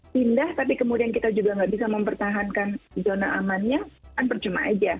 pindah tapi kemudian kita juga nggak bisa mempertahankan zona amannya kan percuma aja